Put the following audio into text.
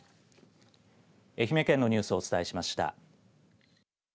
愛媛県のニュースをお伝えしました。